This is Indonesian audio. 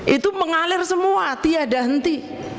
itu mengalir semua tiada henti